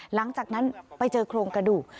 หลังจากนั้นไปเจอโครงกระดูก